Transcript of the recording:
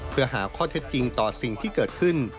เพื่อหาข้อเท็จจริงต่อสิ่งที่เกิดขึ้น